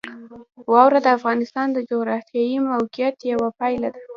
واوره د افغانستان د جغرافیایي موقیعت یوه پایله ده.